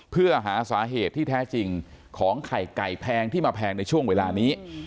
เพื่อหาสาเหตุที่แท้จริงของไข่ไก่แพงที่มาแพงในช่วงเวลานี้